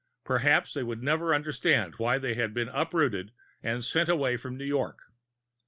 Perhaps they would never understand why they had been uprooted and sent away from New York.